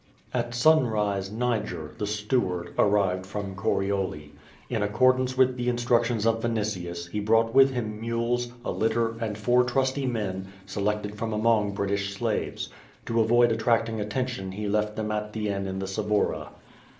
At sunrise Niger, the steward, arrived from Corioli. In accordance with the instructions of Vinitius, he brought with him mules, a litter, and four trusty men, selected from among British slaves. To avoid attracting attention he left them at the inn in the Suburra.